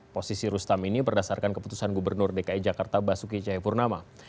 posisi rustam ini berdasarkan keputusan gubernur dki jakarta basuki cahayapurnama